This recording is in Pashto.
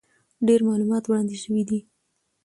ډېر معلومات وړاندې شوي دي،